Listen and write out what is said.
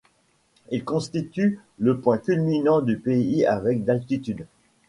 Il constitue le point culminant du pays avec d'altitude.